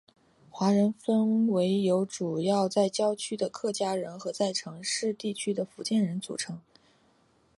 华人分为由主要在郊区的客家人和在城市地区的福建人组成。